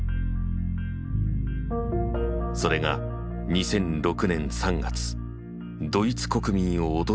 それが２００６年３月ドイツ国民を驚かせた記者会見だ。